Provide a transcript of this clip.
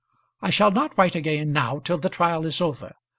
I shall not write again now till the trial is over.